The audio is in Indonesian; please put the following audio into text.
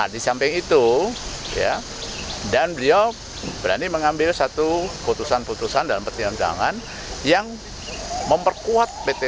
di samping itu dan beliau berani mengambil satu putusan putusan dalam pertimbangan yang memperkuat pt